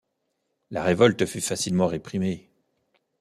La révolte fut facilement réprimée.